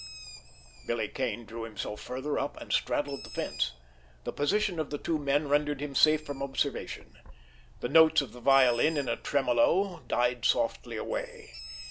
Billy Kane drew himself further up, and straddled the fence. The position of the two men rendered him safe from observation. The notes of the violin, in a tremolo, died softly away.